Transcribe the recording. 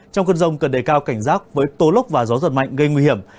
trong cơn rông cần đề cao cảnh giác với tố lốc và gió giật mạnh gây nguy hiểm